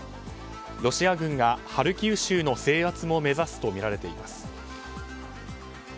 ロシア軍がハルキウ州の制圧も目指すとみられています。